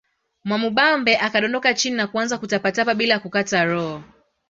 Mwamubambe akadondoka chini na kuanza kutapatapa bila kukata roho